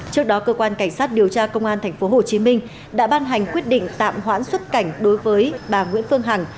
trước đó cơ quan cảnh sát điều tra công an tp hcm đã ban hành quyết định tạm hoãn xuất cảnh đối với bà nguyễn phương hằng